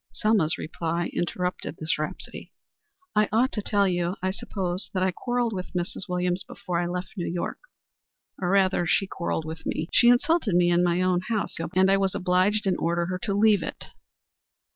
Selma's reply interrupted this rhapsody. "I ought to tell you, I suppose, that I quarrelled with Mrs. Williams before I left New York. Or, rather, she quarrelled with me. She insulted me in my own house, and I was obliged to order her to leave it."